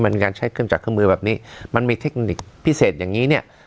มันมีการใช้เครื่องจักรเครื่องมือแบบนี้มันมีเทคนิคพิเศษอย่างงี้เนี่ย